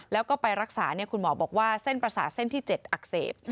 แล้วก็ไปรักษาคุณหมอบอกว่าเส้นประสาทเส้นที่๗อักเสบ